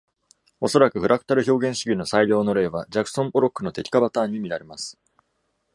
おそらく、フラクタル表現主義の最良の例は、ジャクソンポロックの滴下パターンに見られます。